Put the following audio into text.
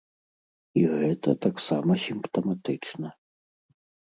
І гэта таксама сімптаматычна.